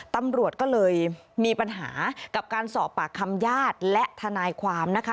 ตำรวจก็เลยมีปัญหากับการสอบปากคำญาติและทนายความนะคะ